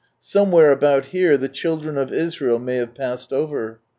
Somewhere about here the children of Israel may have passed over.